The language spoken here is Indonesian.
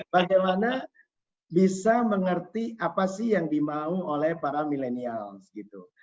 bagaimana bisa mengerti apa sih yang dimau oleh para millennials gitu